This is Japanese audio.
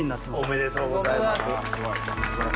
おめでとうございます。